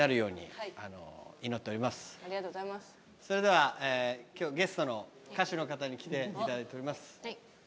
それではゲストの歌手の方に来ていただいております。